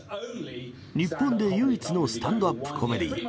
日本で唯一のスタンドアップコメディー。